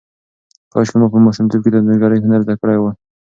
کاشکې ما په ماشومتوب کې د انځورګرۍ هنر زده کړی وای.